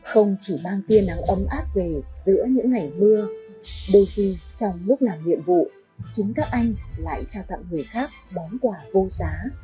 không chỉ mang tia nắng ấm áp về giữa những ngày mưa đôi khi trong lúc làm nhiệm vụ chính các anh lại trao tặng người khác món quà vô giá